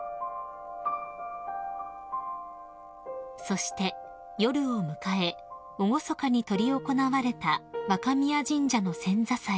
［そして夜を迎え厳かに執り行われた若宮神社の遷座祭］